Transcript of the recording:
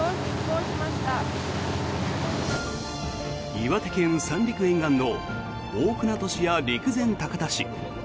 岩手県・三陸沿岸の大船渡市や陸前高田市。